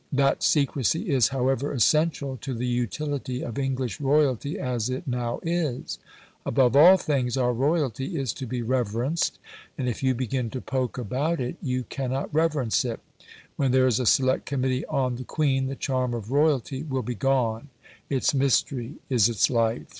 That secrecy is, however, essential to the utility of English royalty as it now is. Above all things our royalty is to be reverenced, and if you begin to poke about it you cannot reverence it. When there is a select committee on the Queen, the charm of royalty will be gone. Its mystery is its life.